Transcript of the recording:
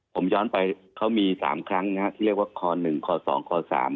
ผมย้อนไปเขามี๓ครั้งที่เรียกว่าค๑ค๒ค๓